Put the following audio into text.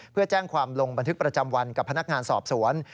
เพื่อแจ้งความลงบันทึกประจำวันกับพนักงานสอบสวน